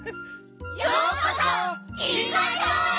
ようこそ銀河町へ！